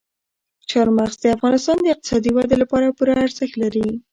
چار مغز د افغانستان د اقتصادي ودې لپاره پوره ارزښت لري.